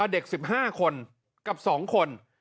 เด็ก๑๕คนกับ๒คน